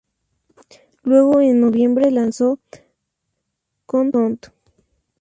Luego, en noviembre, lanzó "Knock Knock".